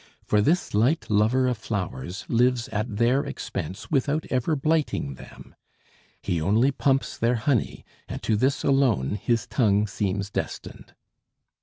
For this light lover of flowers lives at their expense without ever blighting them. He only pumps their honey, and to this alone his tongue seems destined.